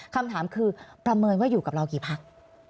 คำถามคือประเมินว่าอยู่กับเรากี่พัก